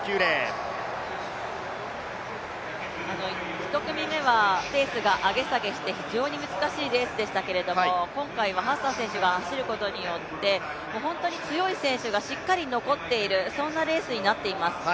１組目はペースが上げ下げして非常に難しいレースでしたけど今回はハッサン選手が走ることによって強い選手がしっかり残っている、そんなレースになっています。